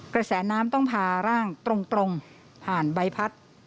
กระแสน้ำต้องพาร่างตรงผ่านใบพัด